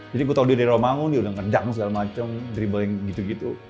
jadi gue tau dia dari rumah umum dia udah ngedang segala macem dribble yang gitu gitu